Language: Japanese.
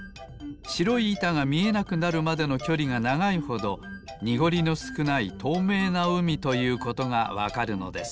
しろいいたがみえなくなるまでのきょりがながいほどにごりのすくないとうめいなうみということがわかるのです。